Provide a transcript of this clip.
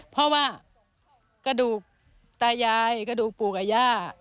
เพราะว่ากระดูกตายายกระดูกปู่กับย่า